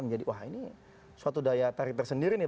menjadi wah ini suatu daya tarik tersendiri nih